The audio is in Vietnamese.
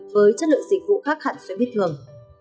với chất lượng dịch vụ khác hẳn xe buýt thường